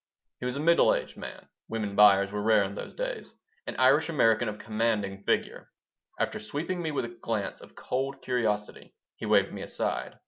He was a middle aged man (women buyers were rare in those days), an Irish American of commanding figure. After sweeping me with a glance of cold curiosity, he waved me aside.